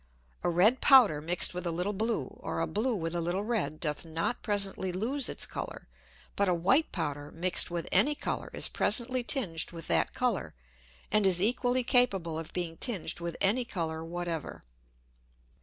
A red Powder mixed with a little blue, or a blue with a little red, doth not presently lose its Colour, but a white Powder mix'd with any Colour is presently tinged with that Colour, and is equally capable of being tinged with any Colour whatever.